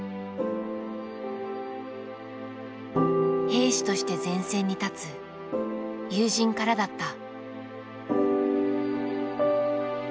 兵士として前線に立つ友人からだった。